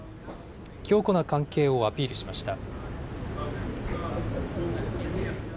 強固な関係をアピールしました。